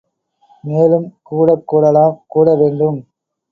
மேலும் கூடக்கூடலாம் கூடவேண்டும்!